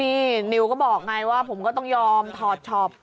นี่นิวก็บอกไงว่าผมก็ต้องยอมถอดช็อป